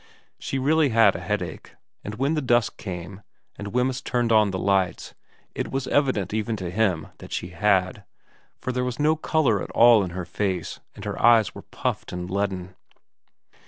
She really had a headache ; and when the dusk came, and Wemyss turned on the lights, it was evident even to him that she had, for there was no colour at all in her face and her eyes were puffed and leaden.